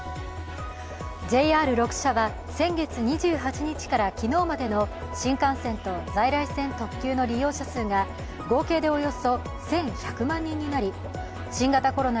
ＪＲ６社は先月２８日から昨日までの新幹線と在来線特急の利用者数が、合計でおよそ１１００万人になり新型コロナ